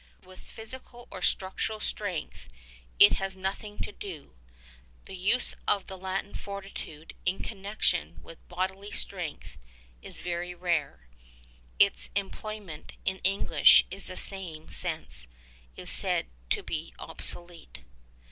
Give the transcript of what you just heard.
With physical or structural strength it has nothing to do. The use of the Latin fortitude in connection with bodily strength is very rare ; its employment in English in the same sense is said to be obsolete.